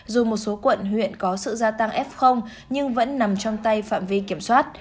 dù một số quận huyện có sự gia tăng f nhưng vẫn nằm trong tay phạm vi kiểm soát